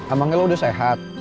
amangnya lo udah sehat